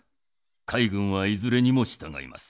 海軍はいずれにも従います。